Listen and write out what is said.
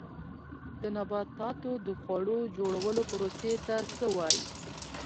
د نباتاتو د خواړو جوړولو پروسې ته څه وایي